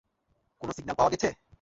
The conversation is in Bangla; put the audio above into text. কোনও সিগন্যাল পাওয়া গেছে?